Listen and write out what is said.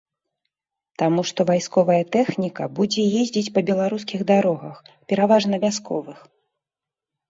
Таму што вайсковая тэхніка будзе ездзіць па беларускіх дарогах, пераважна вясковых.